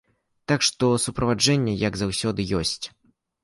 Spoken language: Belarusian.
Так што, суправаджэнне, як заўсёды, ёсць.